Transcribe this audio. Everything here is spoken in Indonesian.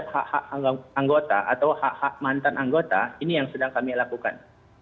hak hak anggota atau hak hak mantan anggota ini yang sedang kami lakukan